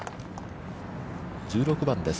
１６番です。